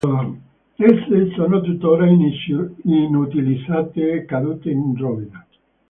Esse sono tuttora inutilizzate e cadute in rovina.